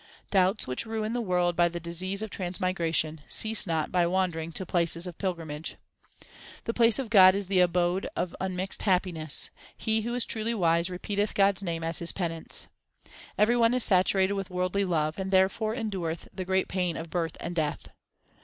Doubts which ruin the world by the disease of trans migration, cease not by wandering to places of pilgrimage. The place of God is the abode of unmixed happiness ; he who is truly wise repeateth God s name as his penance. Every one is saturated with worldly love, and therefore endureth the great pain of birth and death.